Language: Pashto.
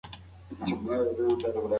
که په کارونو کې صداقت وي نو ټولنه وده کوي.